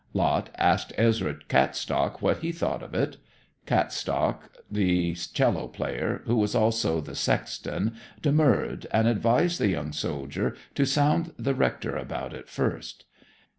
Lot asked Ezra Cattstock what he thought of it. Cattstock, the 'cello player, who was also the sexton, demurred, and advised the young soldier to sound the rector about it first.